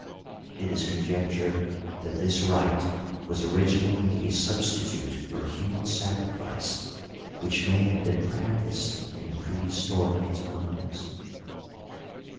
It is conject ured that this rite was originally a substitute for human sacrifice which may have been practiced in prehistoric times.